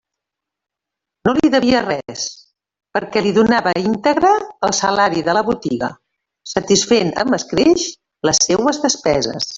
No li devia res, perquè li donava íntegre el salari de la botiga, satisfent amb escreix les seues despeses.